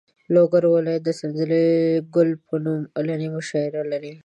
لوګر ولایت د سنځلې ګل په نوم کلنۍ مشاعره لري.